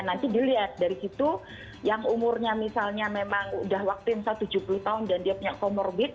nanti dilihat dari situ yang umurnya misalnya memang sudah vaksin satu ratus tujuh puluh tahun dan dia punya comorbid